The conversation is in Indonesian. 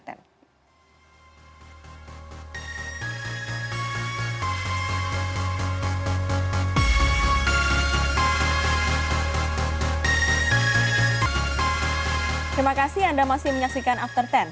terima kasih anda masih menyaksikan after sepuluh